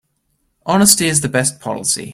Honesty is the best policy.